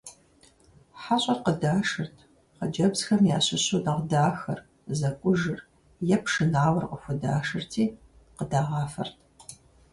ХьэщӀэр къыдашырт. Хъыджбзхэм ящыщу нэхъ дахэр, зэкӀужыр е пшынауэр къыхудашырти, къыдагъафэрт.